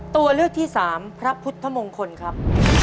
ตัวเลือกที่สามพระพุทธมงคลครับ